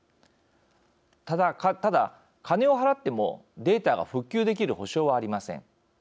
ただ、金を払ってもデータが復旧できる保証はありません。